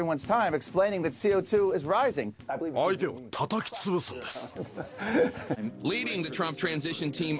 相手をたたき潰すんです。